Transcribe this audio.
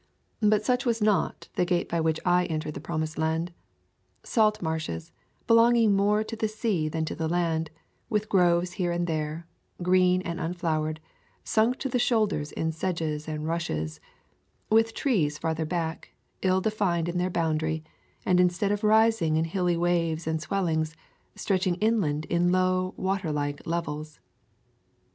But such was not the gate [ 87 ] A Thousand Mile Walk by which I entered the promised land. Salt marshes, belonging more to the sea than to the land; with groves here and there, green and un flowered, sunk to the shoulders in sedges and rushes; with trees farther back, ill defined in their boundary, and instead of rising in hilly waves and swellings, stretching inland in low water like levels.